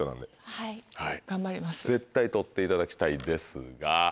絶対取っていただきたいですが。